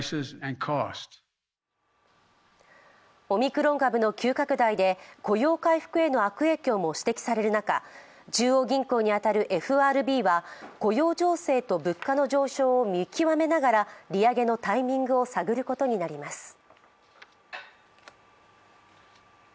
オミクロン株の急拡大で雇用回復への悪影響も指摘される中、中央銀行に当たるＦＲＢは雇用情勢と物価の上昇を見極めながら利上げのタイミングを探ることになります。